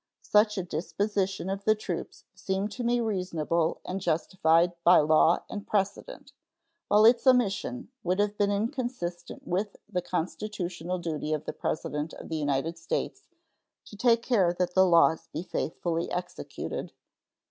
Such a disposition of the troops seemed to me reasonable and justified bylaw and precedent, while its omission would have been inconsistent with the constitutional duty of the President of the United States "to take care that the laws be faithfully executed."